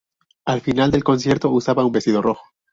Al final del concierto usaba un vestido rojo.